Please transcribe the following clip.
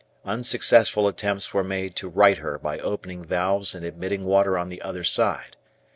Unsuccessful attempts were made to right her by opening valves and admitting water on the other side.